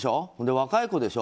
若い子でしょ？